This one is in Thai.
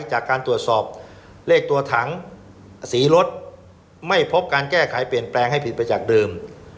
จากการตรวจสอบเลขตัวถังสีรถไม่พบการแก้ไขเปลี่ยนแปลงให้ผิดไปจากเดิม